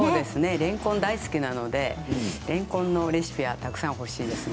れんこん大好きなのでれんこんのレシピはたくさんほしいですね。